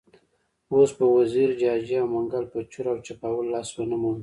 اوس به وزیري، جاجي او منګل په چور او چپاول لاس ونه مومي.